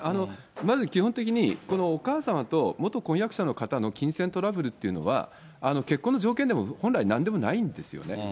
まず基本的に、このお母様と元婚約者の方の金銭トラブルっていうのは、結婚の条件でも、本来なんでもないんですよね。